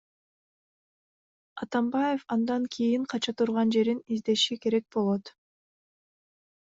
Атамбаев андан кийин кача турган жерин издеши керек болот.